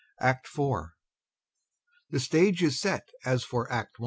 ACT FOUR [The stage is set as for Act I.